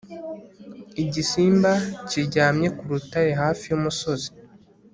igisimba kiryamye ku rutare hafi y'umusozi